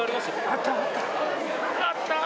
あったー。